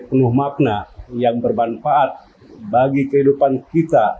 penuh makna yang bermanfaat bagi kehidupan kita